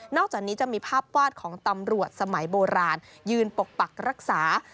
อกจากนี้จะมีภาพวาดของตำรวจสมัยโบราณยืนปกปักรักษา